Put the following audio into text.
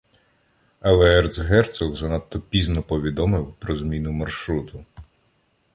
Але ерцгерцог занадто пізно повідомив про зміну маршруту.